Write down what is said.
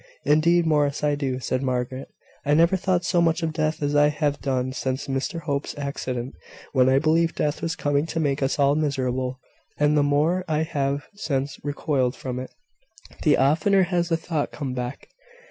"Indeed, Morris, I do," said Margaret. "I never thought so much of death as I have done since Mr Hope's accident, when I believed death was coming to make us all miserable; and the more I have since recoiled from it, the oftener has the thought come back."